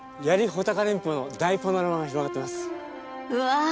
うわ！